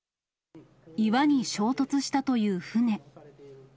岩に衝突したという船。